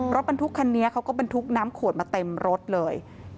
รถบรรทุกคันนี้เขาก็บรรทุกน้ำขวดมาเต็มรถเลย